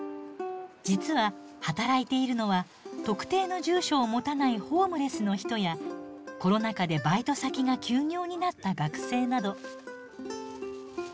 実は働いているのは特定の住所を持たないホームレスの人やコロナ禍でバイト先が休業になった学生など。